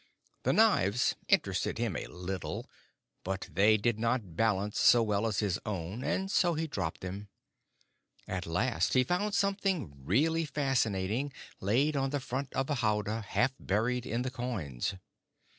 The knives interested him a little, but they did not balance so well as his own, and so he dropped them. At last he found something really fascinating laid on the front of a howdah half buried in the coins.